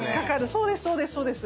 そうですそうですそうです。